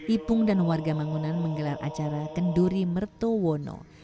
ipung dan warga mangunan menggelar acara kenduri mertowono